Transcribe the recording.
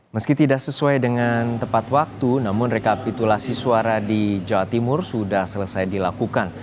meski tidak sesuai dengan tepat waktu namun rekapitulasi suara di jawa timur sudah selesai dilakukan